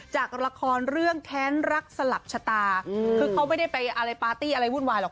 จากละครเรื่องแค้นรักสลับชะตาคือเขาไม่ได้ไปอะไรปาร์ตี้อะไรวุ่นวายหรอก